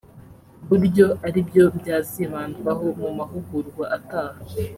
ku buryo ari byo byazibandwaho mu mahugurwa ataha